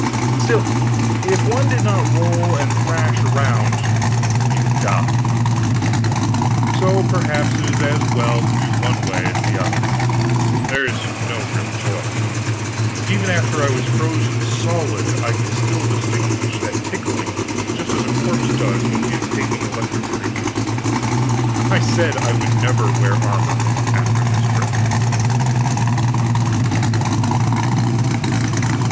Still, if one did not roll and thrash around he would die; so perhaps it is as well to do one way as the other; there is no real choice. Even after I was frozen solid I could still distinguish that tickling, just as a corpse does when he is taking electric treatment. I said I would never wear armor after this trip.